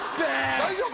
大丈夫？